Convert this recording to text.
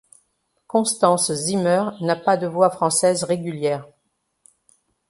Constance Zimmer n'a pas de voix française régulière.